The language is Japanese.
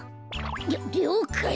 りょりょうかい！